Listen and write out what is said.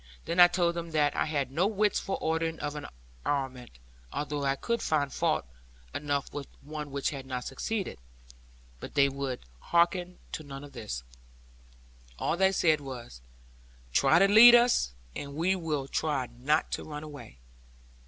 Then I told them that I had no wits for ordering of an armament, although I could find fault enough with the one which had not succeeded. But they would hearken to none of this. All they said was 'Try to lead us; and we will try not to run away.'